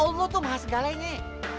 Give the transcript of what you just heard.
allah tuh mahasgalainya